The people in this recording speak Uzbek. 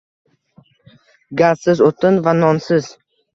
Gazsiz, o'tin va nonsiz